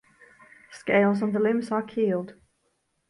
Scales on the limbs are keeled.